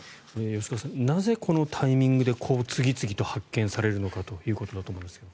吉川さんなぜこのタイミングで次々と発見されるのかということですが。